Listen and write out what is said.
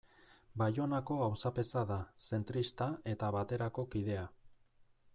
Baionako auzapeza da, zentrista eta Baterako kidea.